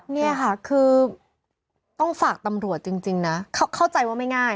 นี่ค่ะคือต้องฝากตำรวจจริงนะเข้าใจว่าไม่ง่าย